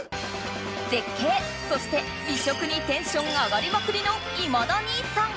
絶景そして美食にテンションが上がりまくりの今田兄さん